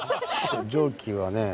蒸気はね